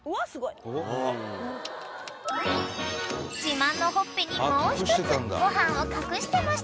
［自慢のほっぺにもう１つご飯を隠してました］